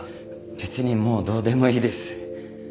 別にもうどうでもいいです。